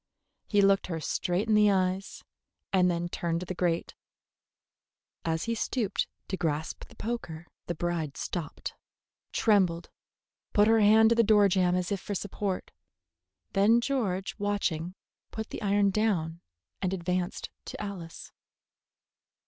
He looked her straight in the eyes, and then turned to the grate. As he stooped to grasp the poker the bride stopped, trembled, put her hand to the door jamb as if for support. Then George, watching, put the iron down and advanced to Alice.